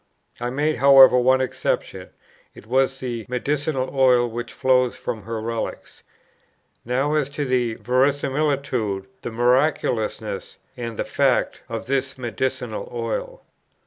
I made, however, one exception; it was the medicinal oil which flows from her relics. Now as to the verisimilitude, the miraculousness, and the fact, of this medicinal oil.